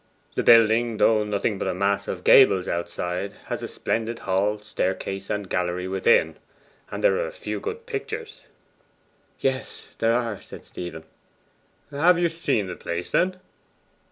The building, though nothing but a mass of gables outside, has a splendid hall, staircase, and gallery within; and there are a few good pictures.' 'Yes, there are,' said Stephen. 'Have you seen the place, then?